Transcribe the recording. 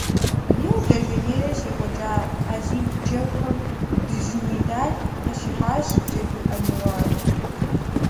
Рио-де-Жанейрэ щекӀуэкӀа Олимп Джэгухэм дыжьын медаль къыщихьащ Джэду Ӏэниуар.